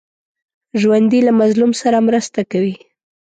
ژوندي له مظلوم سره مرسته کوي